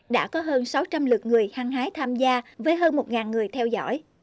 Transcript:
đã có hơn sáu trăm linh lượt người hăng hái tham gia với hơn một người theo dõi